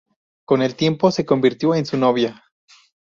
Con el tiempo se convirtió en su novia.